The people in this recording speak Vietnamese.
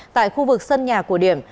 tại khu vực sân nhà của điểm